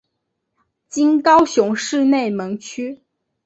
今高雄市内门区。